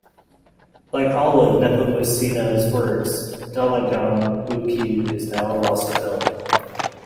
Like all of Nepomuceno's works, "Dalagang Bukid" is now a lost film.